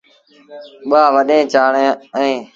ٻآ وڏيݩ چآڙيٚن اوهيݩ۔